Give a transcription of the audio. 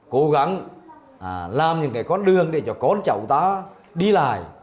cố gắng làm những cái con đường để cho con cháu ta đi lại